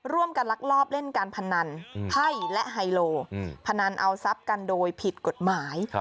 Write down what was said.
ลักลอบเล่นการพนันไพ่และไฮโลพนันเอาทรัพย์กันโดยผิดกฎหมาย